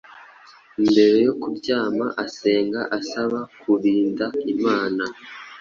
Mbere yo kuryama asenga asaba kurinda imana